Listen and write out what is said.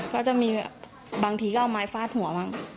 ก็จะมีบางทีก็เอาไม้ฟาดหัวบ้าง